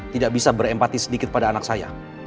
tidak bisa berempati sedikit pada anak saya